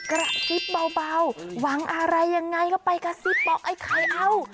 กระซิบเบาหวังอะไรยังไงก็ไปกระซิบบอกไอ้ไข่เอา